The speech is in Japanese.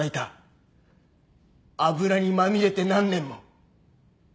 油にまみれて何年も。